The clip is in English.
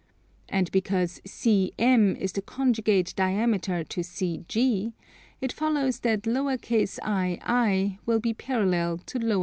And because CM is the conjugate diameter to CG, it follows that _i_I will be parallel to _g_G.